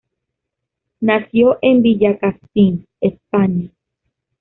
Nació en Villacastín, España.